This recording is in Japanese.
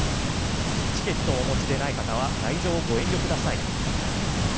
チケットをお持ちでない方は来場をご遠慮ください。